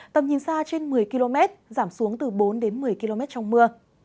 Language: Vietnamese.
tầm nhìn xa trên một mươi km giảm xuống từ bốn đến một mươi km trong mưa